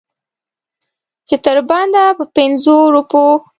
چې تر بنده په پنځو روپو.